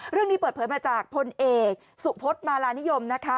เรื่องนี้เปิดเผยมาจากพลเอกสุพศมาลานิยมนะคะ